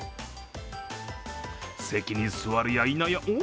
席に座るやいなや、お？